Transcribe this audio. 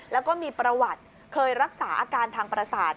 แล้วก็มีประวัติเคยรักษาอาการทางประสาท